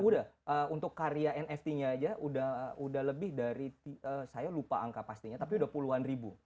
sudah untuk karya nft nya saja sudah lebih dari saya lupa angka pastinya tapi sudah puluhan ribu